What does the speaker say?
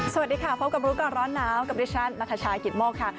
สวัสดีค่ะพบกับรู้ก่อนร้อนหนาวกับดิฉันนัทชายกิตโมกค่ะ